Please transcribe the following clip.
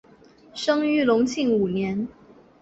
生于隆庆五年。